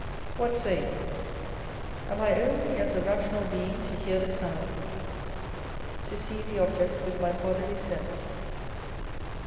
What say you ? Am I only as a rational being to hear the sound, to see the object with my bodily sense?